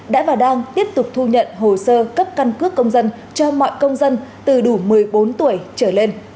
đã và đang tiếp tục thu nhận hồ sơ cấp căn cước công dân cho mọi công dân từ đủ một mươi bốn tuổi trở lên